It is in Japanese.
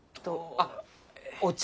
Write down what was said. あっお茶！